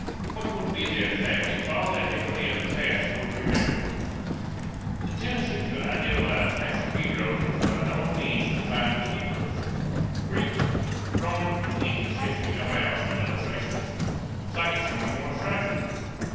What would be the effect if all the iniquity of the past were remembered? The tendency to idealize national heroes is by no means confined to the Hebrews. Greek, Roman and English history abounds in illustrations. Cite some of the more striking.